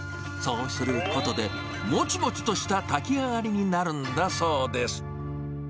そうすることで、もちもちとした炊き上がりになるんだそうです。